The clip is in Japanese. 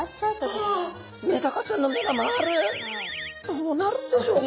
どうなるんでしょうか？